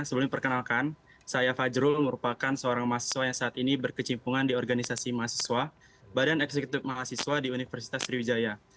sebelumnya perkenalkan saya fajrul merupakan seorang mahasiswa yang saat ini berkecimpungan di organisasi mahasiswa badan eksekutif mahasiswa di universitas sriwijaya